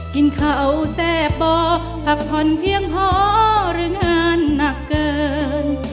กินเขาแซ่บบ่อพักผ่อนเพียงพอหรืองานหนักเกิน